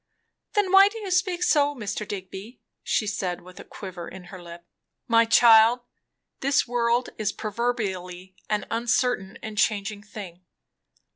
"Then why do you speak so, Mr. Digby?" she said with a quiver in her lip. "My child, this world is proverbially an uncertain and changing thing."